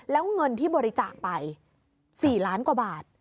แล้วเงินที่บริจาคไป๔ล้านกว่าบาท